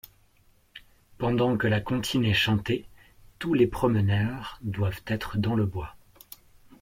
Pendant que la comptine est chantée, tous les promeneurs doivent être dans le bois.